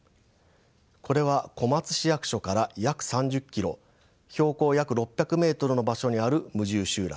これは小松市役所から約３０キロ標高約６００メートルの場所にある無住集落です。